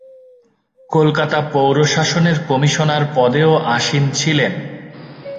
কলকাতা পৌর শাসনের কমিশনার পদেও আসীন ছিলেন।